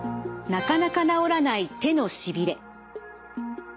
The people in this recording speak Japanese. なかなか治らない手のしびれ。